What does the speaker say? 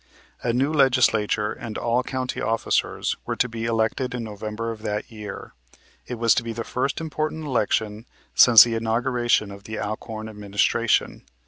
A new Legislature and all county officers were to be elected in November of that year. It was to be the first important election since the inauguration of the Alcorn administration.